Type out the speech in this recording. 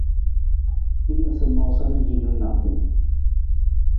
Hin noosanoosa na hiwung na nijakung.